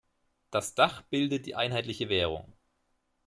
Das Dach bildet die einheitliche Währung.